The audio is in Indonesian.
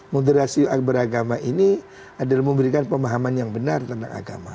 moderasi beragama ini adalah memberikan pemahaman yang benar tentang agama